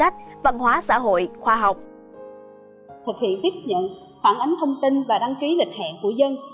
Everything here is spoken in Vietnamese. khóa học thực hiện tiếp nhận phản ánh thông tin và đăng ký lịch hẹn của dân